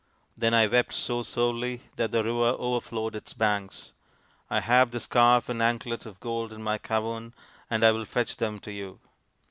Then I wept so sorely that the river overflowed its banks. I have this scarf and anklet of gold in my cavern and I will fetch them to you."